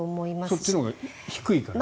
そっちのほうが低いから。